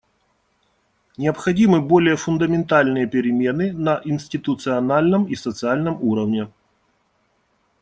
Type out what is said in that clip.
Необходимы более фундаментальные перемены на институциональном и социальном уровне.